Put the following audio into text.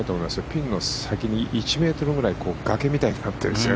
ピンの先に１ｍぐらい崖みたいになってるんです